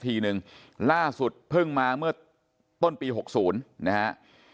ที่สักทีหนึ่งล่าสุดเพิ่งมาเมื่อต้นปีหกศูนย์นะฮะ